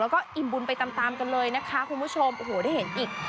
แล้วก็อิ่มบุญไปตามตามกันเลยนะคะคุณผู้ชมโอ้โหได้เห็นอีก